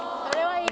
いい！